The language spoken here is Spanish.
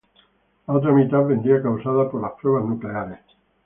La otra mitad vendría causada por las pruebas nucleares.